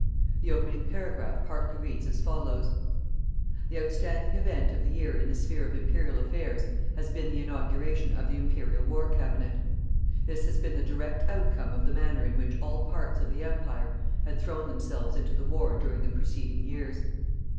The opening paragraph partly reads as follows: The outstanding event of the year in the sphere of Imperial Affairs has been the inauguration of the Imperial War Cabinet. This has been the direct outcome of the manner in which all parts of the Empire had thrown themselves into the war during the preceding years.